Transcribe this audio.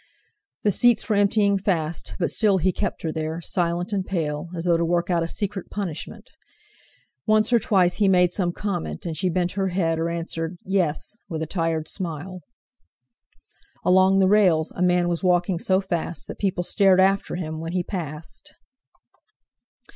The seats were emptying fast, but still he kept her there, silent and pale, as though to work out a secret punishment. Once or twice he made some comment, and she bent her head, or answered "Yes" with a tired smile. Along the rails a man was walking so fast that people stared after him when he passed.